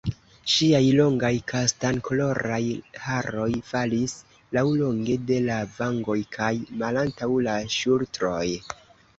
Ŝiaj longaj kastankoloraj haroj falis laŭlonge de la vangoj kaj malantaŭ la ŝultroj.